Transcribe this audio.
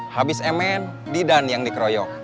habis mn didan yang dikeroyok